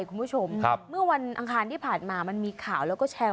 คุณผู้ชมครับเมื่อวันอังคารที่ผ่านมามันมีข่าวแล้วก็แชร์